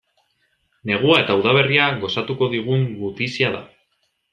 Negua eta udaberria gozatuko digun gutizia da.